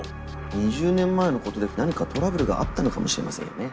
２０年前のことで何かトラブルがあったのかもしれませんよね。